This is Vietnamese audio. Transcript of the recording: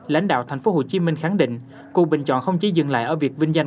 lãnh đạo tp hcm khẳng định cuộc bình chọn không chỉ dừng lại ở việc vinh danh